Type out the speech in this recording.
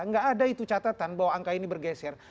nggak ada itu catatan bahwa angka ini bergeser